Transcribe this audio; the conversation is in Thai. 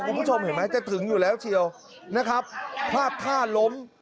คุณผู้ชมเห็นไหมจะถึงอยู่แล้วเชียวนะครับพลาดท่าล้ม